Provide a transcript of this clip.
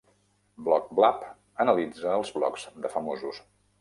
"Blog Blab" analitza els blogs de famosos.